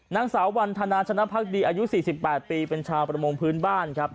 นางสาววันธนาชนะพักดีอายุ๔๘ปีเป็นชาวประมงพื้นบ้านครับ